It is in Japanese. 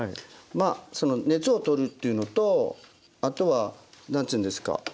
熱を取るっていうのとあとは何つうんですか